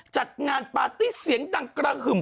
จัดงานปาร์ตี้เสียงดังกระหึ่ม